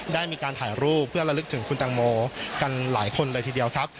ได้มีการถ่ายรูปเพื่อระลึกถึงคุณตังโมกันหลายคนเลยทีเดียวครับ